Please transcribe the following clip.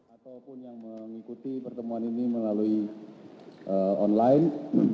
ataupun yang mengikuti pertemuan ini melalui online